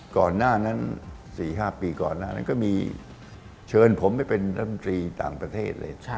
ก่อนหน้านั้นก็เชิญผมให้เป็นตำรีต่างประเทศเลย